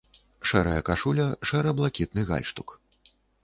Шэрая кашуля, шэра-блакітны гальштук.